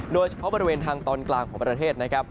โดยเฉพาะบริเวณทางตอนกลางของประเทศนะครับ